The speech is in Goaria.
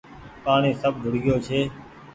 پآڻيٚ سب ڌوڙگيو ڇي